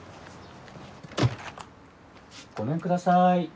ごめんください。